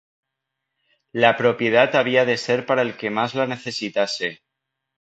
La propiedad había de ser para el que más la necesitase.